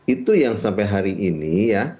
itu yang sampai hari ini ya